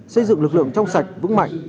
xây dựng lực lượng trong sạch vững mạnh